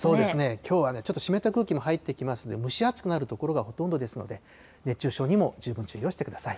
きょうはね、ちょっと湿った空気も入ってきますので、蒸し暑くなる所がほとんどですので、熱中症にも十分注意をしてください。